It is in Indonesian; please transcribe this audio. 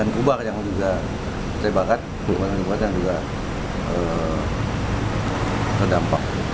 dan kubah yang juga terbakar kebanyakan kubah yang juga terdampak